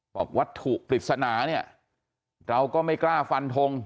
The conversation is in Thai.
วัตถุปริศนาเนี่ยเราก็ไม่กล้าฟันทง